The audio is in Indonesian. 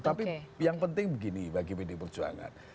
tapi yang penting begini bagi pdi perjuangan